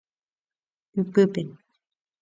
Ipype.